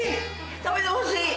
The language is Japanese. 食べてほしい。